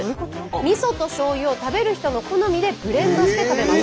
みそとしょうゆを食べる人の好みでブレンドして食べます。